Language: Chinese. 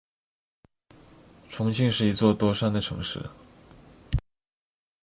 重庆是一座多山的城市。